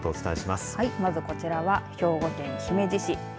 まずこちらは兵庫県の姫路市。